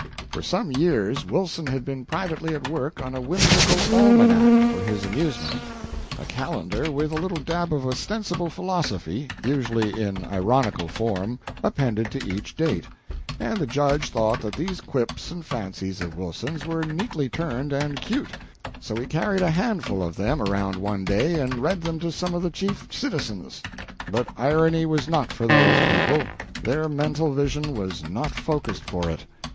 For some years Wilson had been privately at work on a whimsical almanac, for his amusement a calendar, with a little dab of ostensible philosophy, usually in ironical form, appended to each date; and the Judge thought that these quips and fancies of Wilson's were neatly turned and cute; so he carried a handful of them around, one day, and read them to some of the chief citizens. But irony was not for those people; their mental vision was not focussed for it.